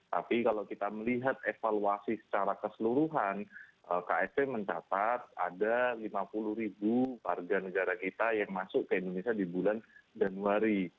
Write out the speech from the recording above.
tapi kalau kita melihat evaluasi secara keseluruhan ksp mencatat ada lima puluh ribu warga negara kita yang masuk ke indonesia di bulan januari